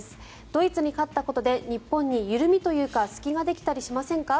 ドイツに勝ったことで日本に緩みというか隙ができたりしませんか？